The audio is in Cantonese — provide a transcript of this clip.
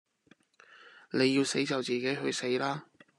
你要死就自己去死吧